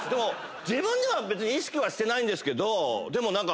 自分では別に意識はしてないんですけどでも何か。